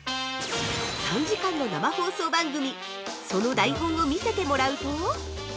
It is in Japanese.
◆３時間の生放送番組、その台本を見せてもらうと。